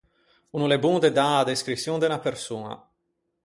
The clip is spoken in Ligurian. O no l’é bon de dâ a descriçion de unna persoña.